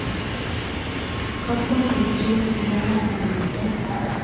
Ka kabuatutiet ne karan notok